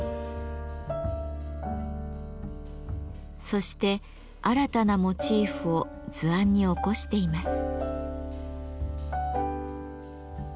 そして新たなモチーフを図案に起こしています。